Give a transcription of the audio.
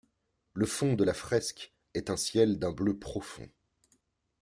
Le fond de la fresque est un ciel d'un bleu profond.